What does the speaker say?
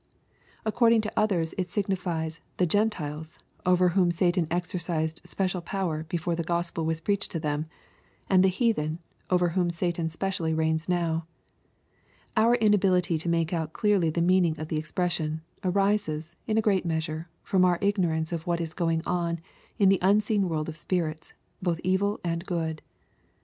— ^According to others it signifies the Gen tUes^ over whom Satan exercised special power before the Gk)spel was preached to them, and the heathen, over whom Satan specially reigns now. — Our inability to make out clearly the meaning of the expression, arises, in a great measure, from our ignorance of what is going on in the unseen world of spirits, both evil and good.